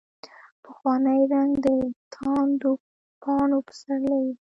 پخوانی رنګ، دتاندو پاڼو پسرلي